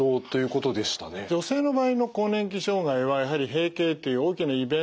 女性の場合の更年期障害はやはり閉経という大きなイベント